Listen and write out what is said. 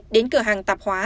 đến cửa hàng tạp hóa